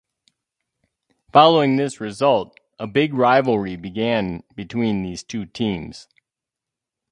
Following this result, a big rivalry began between these two teams.